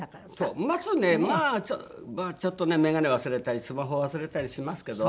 まずねまあちょっとね眼鏡忘れたりスマホを忘れたりしますけど。